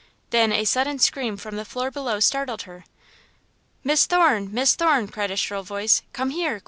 Then a sudden scream from the floor below startled her. "Miss Thorne! Miss Thorne!" cried a shrill voice. "Come here!